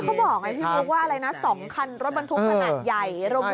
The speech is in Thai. แล้วที่เขาบอกพี่บอกว่าอะไรนะ๒คันรถบรรทุกขนาดใหญ่